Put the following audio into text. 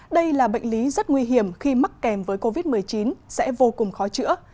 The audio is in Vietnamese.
đây là bệnh lý rất nguy hiểm khi mắc kèm với covid một mươi chín sẽ vô cùng khó chữa